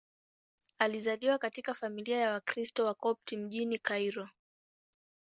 Alizaliwa katika familia ya Wakristo Wakopti mjini Kairo.